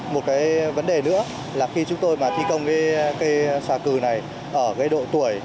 một cái vấn đề nữa là khi chúng tôi mà thi công cây sở cử này ở cái độ tuổi